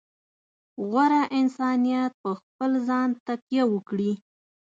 غوره انسانیت په خپل ځان تکیه وکړي.